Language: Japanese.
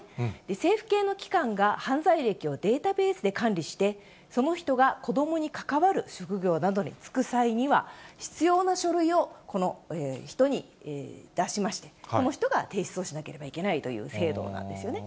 政府系の機関が犯罪歴をデータベースで管理して、その人が子どもに関わる職業などに就く際には、必要な書類をこの人に出しまして、この人が提出をしなければいけないという制度なんですよね。